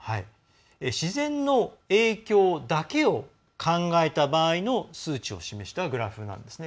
自然の影響だけを考えた場合の数値を示したグラフなんですね。